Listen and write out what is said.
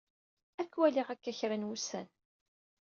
Ad k-waliɣ akk-a kra n wussan.